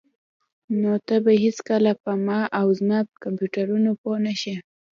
نو ته به هیڅکله په ما او زما کمپیوټرونو پوه نشې